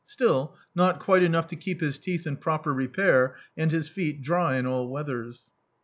Still, not quite enough to keep his teeth in proper repair and his feet dry in all weathers.